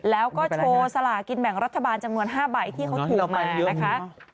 แล้วก็โชว์สลากินแบ่งรัฐบาลจำนวน๕ใบที่เขาถูกมานะคะ